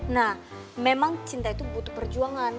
nah memang cinta itu butuh perjuangan